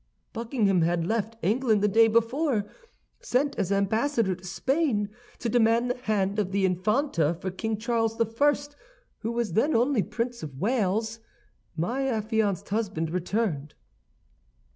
"Buckingham had left England the day before, sent as ambassador to Spain, to demand the hand of the Infanta for King Charles I., who was then only Prince of Wales. My affianced husband returned.